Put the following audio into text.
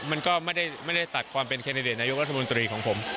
มันก็ไม่ได้ตัดความเป็นแคนดิเดตนายกรัฐมนตรีของผม